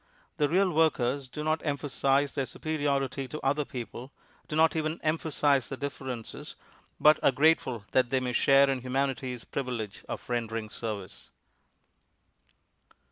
The real workers do not emphasize their superiority to other people, do not even emphasize the differences, but are grateful that they may share in humanity's privilege of rendering service.